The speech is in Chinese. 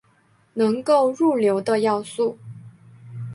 能够入流的要素。